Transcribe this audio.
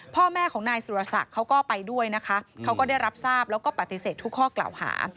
พ่อแม่ของนายสุรศักดิ์เขาก็ไปด้วยนะคะเขาก็ได้รับทราบแล้วก็ปฏิเสธทุกข้อกล่าวหา